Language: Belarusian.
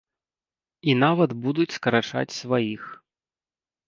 І нават будуць скарачаць сваіх.